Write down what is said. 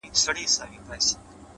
• لوبي له لمبو سره بل خوند لري,